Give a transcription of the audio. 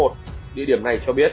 địa điểm này cho biết